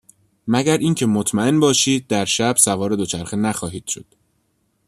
مگر اینکه مطمئن باشید در شب سوار دوچرخه نخواهید شد.